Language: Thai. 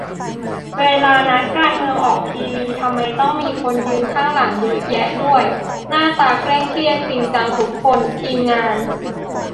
เวลานักการเมืองออกทีวี ทำไมต้องมีคนยืนข้างหลังเยอะแยะด้วย หน้าตาเคร่งเครียดจริงจังทุกคน ทีมงาน ?